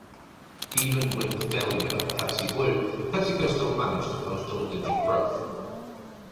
Even with the failure of Pepsi Blue, PepsiCo still managed to post double-digit growth.